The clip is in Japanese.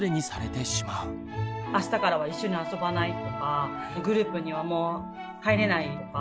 あしたからは一緒に遊ばないとかグループにはもう入れないよとか。